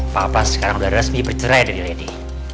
papa sekarang udah resmi bercerai dari lady